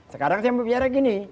sekarang saya mau bicara gini